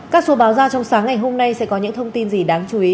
các số báo ra trong sáng ngày hôm nay sẽ có những thông tin gì đáng chú ý